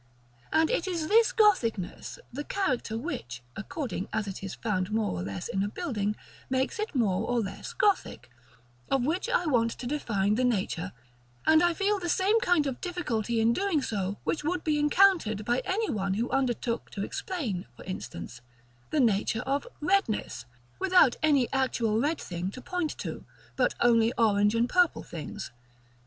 And it is this Gothicness, the character which, according as it is found more or less in a building, makes it more or less Gothic, of which I want to define the nature; and I feel the same kind of difficulty in doing so which would be encountered by any one who undertook to explain, for instance, the nature of Redness, without any actual red thing to point to, but only orange and purple things.